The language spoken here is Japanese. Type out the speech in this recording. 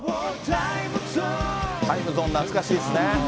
ＴＩＭＥＺＯＮＥ、懐かしいですね。